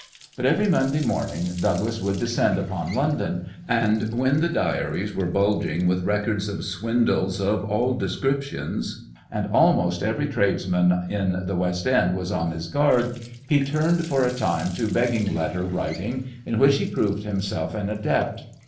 But every Monday morning Douglas would descend upon London, and when the diaries were bulging with records of swindles of all descriptions, and almost every tradesman in the West End was on his guard, he turned for a time to begging letter writing, at which he proved himself an adept.